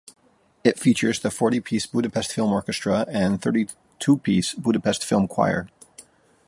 It features the forty-piece Budapest Film Orchestra and thirty-two-piece Budapest Film Choir.